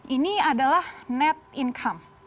ini adalah net income